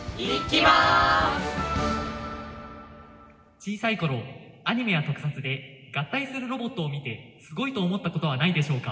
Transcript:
小さい頃アニメや特撮で合体するロボットを見てすごいと思ったことはないでしょうか。